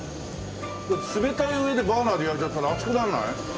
冷たい上でバーナーで焼いちゃったら熱くならない？